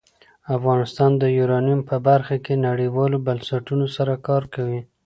افغانستان د یورانیم په برخه کې نړیوالو بنسټونو سره کار کوي.